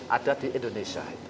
ada di indonesia